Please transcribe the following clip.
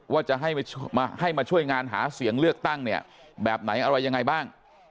ว่าจะให้มาช่วยงานหาเสียงเลือกตั้งเนี่ยแบบไหนอะไรยังไงบ้าง